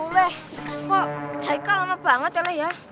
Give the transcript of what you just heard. wleh kok raika lama banget ya leh ya